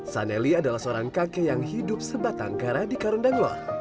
saneli adalah seorang kakek yang hidup sebatang kara di karundanglor